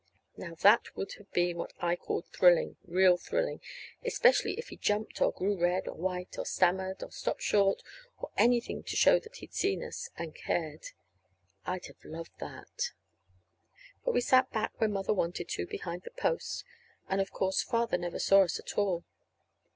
Now that would have been what I called thrilling, real thrilling, especially if he jumped or grew red, or white, or stammered, or stopped short, or anything to show that he'd seen us and cared. I'd have loved that. But we sat back where Mother wanted to, behind the post. And, of course, Father never saw us at all.